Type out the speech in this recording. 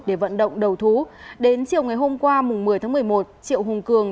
để vận động đầu thú đến chiều ngày hôm qua một mươi tháng một mươi một triệu hùng cường